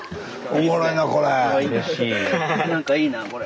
何かいいなこれ。